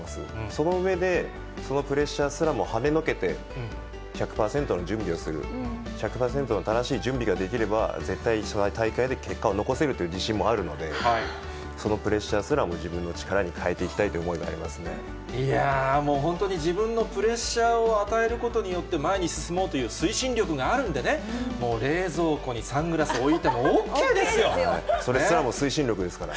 その上で、そのプレッシャーすらもはねのけて、１００％の準備をする、１００％正しい準備ができれば、絶対にその大会で結果を残せるという自信もあるので、そのプレッシャーすらも自分の力にかえていきたいという思いがあいやー、もう本当に自分のプレッシャーを与えることによって前に進もうという推進力があるんでね、もう冷蔵庫にサングラス置いてもＯＫでそれすらも推進力ですから。